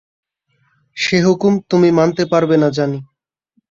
সে হুকুম তুমি মানতে পারবে না জানি।